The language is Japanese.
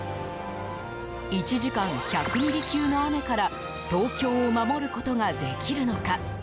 １時間１００ミリ級の雨から東京を守ることができるのか。